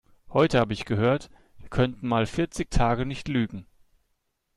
Heute habe ich gehört, wir könnten mal vierzig Tage nicht Lügen.